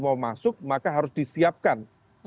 mau masuk maka harus disiapkan